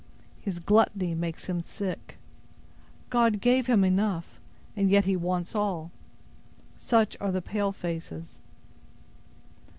His gluttony makes him sick. God gave him enough, and yet he wants all. Such are the pale faces.